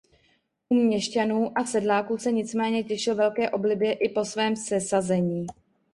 U měšťanů a sedláků se nicméně těšil velké oblibě i po svém sesazení.